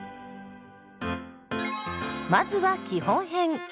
まずは基本編。